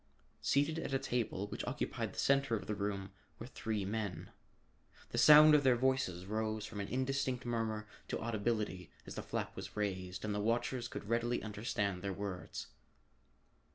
Seated at a table which occupied the center of the room were three men. The sound of their voices rose from an indistinct murmur to audibility as the flap was raised and the watchers could readily understand their words.